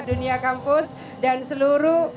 dunia kampus dan seluruh